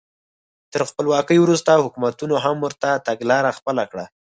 تر خپلواکۍ وروسته حکومتونو هم ورته تګلاره خپله کړه.